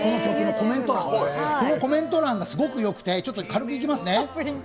このコメント欄がすごくよくて、軽くいきますね。